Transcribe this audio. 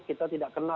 kita tidak kena